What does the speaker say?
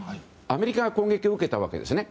アメリカが攻撃を受けたわけですね。